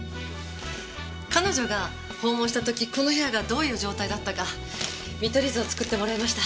彼女が訪問した時この部屋がどういう状態だったか見取り図を作ってもらいました。